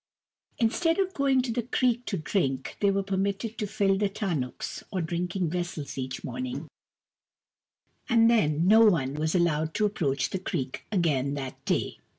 Instead of going to the creek to drink, they were permitted to fill their tarnuks, or drinking vessels, each morning ; and then no one was allowed to approach the creek again that day.